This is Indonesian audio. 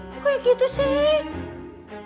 kok kayak gitu sih